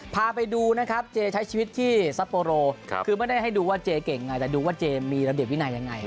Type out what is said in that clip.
พาไปดูนะครับเจใช้ชีวิตที่ซัปโปโรคือไม่ได้ให้ดูว่าเจเก่งไงแต่ดูว่าเจมีระเบียบวินัยยังไง